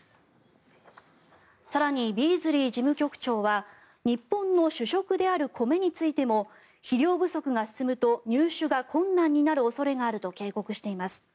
更に、ビーズリー事務局長は日本の主食である米についても肥料不足が進むと入手が困難になる恐れがあると警告しています。